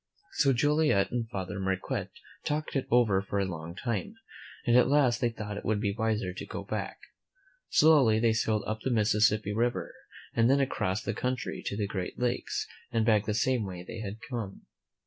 <3< 148 THE FRIENDS O F THE INDIANS :^.':.. 5ftW^^ So Joliet and Father Marquette talked it over for a long time, and at last they thought it would be wiser to go back. Slowly they sailed up the Mississippi River, and then across the country to the Great Lakes, and back the same way they had come.